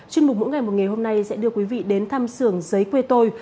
chương mục mỗi ngày một nghề hôm nay sẽ đưa quý vị đến thăm sưởng giấy quê tôi